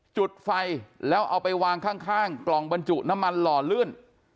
จุดไฟแล้วเอาไปวางข้างกล่องบรรจุน้ำมันหล่อลื่น